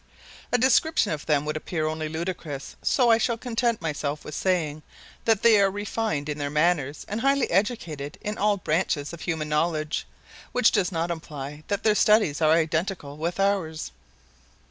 A description of them would appear only ludicrous, so I shall content myself with saying that they are refined in their manners and highly educated in all branches of human knowledge, which does not imply that their studies are identical with ours.